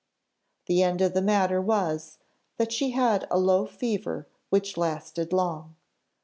The end of the matter was, that she had a low fever which lasted long.